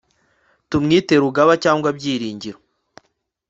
tumwite rugaba cg byiringiro